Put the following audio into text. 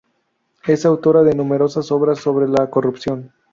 Es autora de numerosas obras sobre la corrupción.